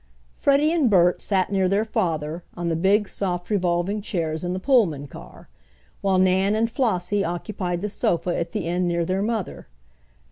Freddie and Bert sat near their father on the big soft revolving chairs in the Pullman car, while Nan and Flossie occupied the sofa at the end near their mother.